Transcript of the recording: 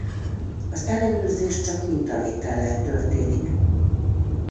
Az ellenőrzés csak mintavétellel történik.